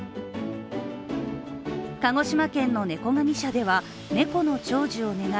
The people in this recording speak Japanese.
鹿児島県の猫神社では猫の長寿を願う